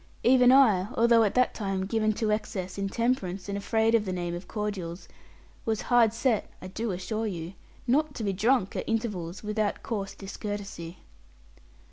Even I, although at that time given to excess in temperance, and afraid of the name of cordials, was hard set (I do assure you) not to be drunk at intervals without coarse discourtesy.